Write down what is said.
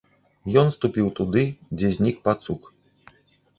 Ён ступіў туды, дзе знік пацук.